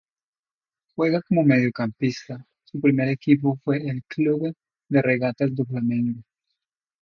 Juega como mediocampista, su primer equipo fue el Clube de Regatas do Flamengo.